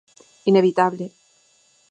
Inevitable.